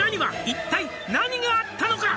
「一体何があったのか」